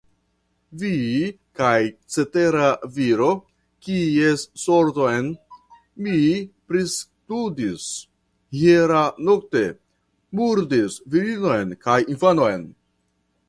Vi kaj cetera viro, kies sorton mi pristudis hieraŭnokte, murdis virinon kaj infanon.